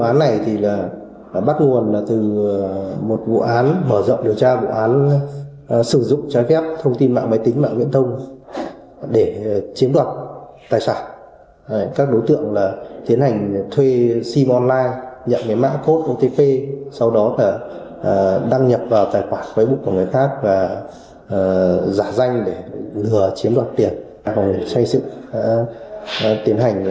nhận mạng code otp sau đó đăng nhập vào tài khoản quấy bụi của người khác và giả danh để lừa chiếm đoạt tiền